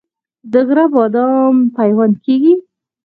د غره بادام پیوند کیږي؟